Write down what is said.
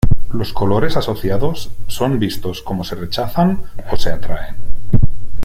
Los colores asociados son vistos como se rechazan o se atraen.